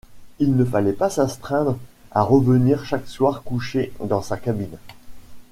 Il ne fallait pas s’astreindre à revenir chaque soir coucher dans sa cabine.